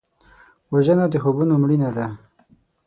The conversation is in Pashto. وژنه د خوبونو مړینه ده